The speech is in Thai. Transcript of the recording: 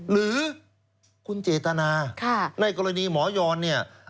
หรือคุณเจตนาในกรณีหมอยอนเนี่ย